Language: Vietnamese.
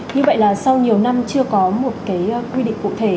như vậy là sau nhiều năm chưa có một cái quy định cụ thể